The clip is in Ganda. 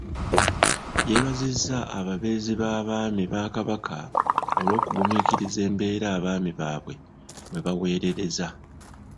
Yeebazizza ababeezi b'abaami ba Kabaka olw'okugumiikiriza embeera abaami baabwe mwe baweerereza.